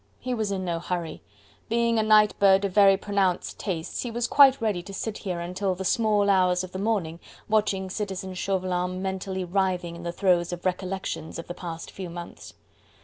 He was in no hurry: being a night bird of very pronounced tastes, he was quite ready to sit here until the small hours of the morning watching Citizen Chauvelin mentally writhing in the throes of recollections of the past few months.